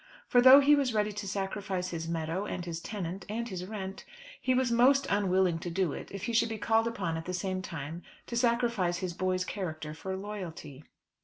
For though he was ready to sacrifice his meadows, and his tenant, and his rent, he was most unwilling to do it if he should be called upon at the same time to sacrifice his boy's character for loyalty.